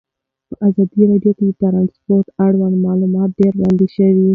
په ازادي راډیو کې د ترانسپورټ اړوند معلومات ډېر وړاندې شوي.